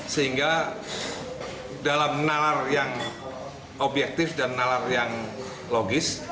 sehingga dalam menalar yang objektif dan menalar yang logis